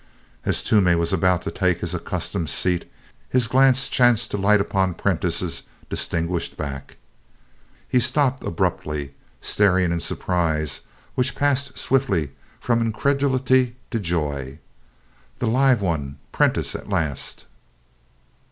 As Toomey was about to take his accustomed seat, his glance chanced to light upon Prentiss's distinguished back. He stopped abruptly, staring in a surprise which passed swiftly from incredulity to joy. "The 'Live One!' Prentiss, at last!"